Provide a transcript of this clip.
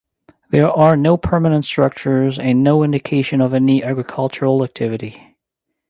There are no permanent structures and no indication of any agricultural activity.